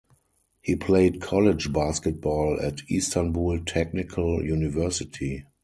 He played college basketball at Istanbul Technical University.